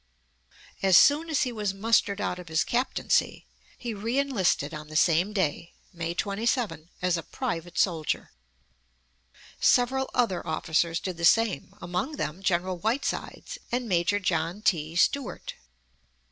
As soon as he was mustered out of his captaincy, he re enlisted on the same day, May 27, as a private soldier. Several other officers did the same, among them General Whitesides and Major John T. Stuart.